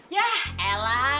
ya eh lah